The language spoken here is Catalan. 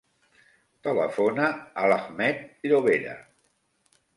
Telefona a l'Ahmed Llobera.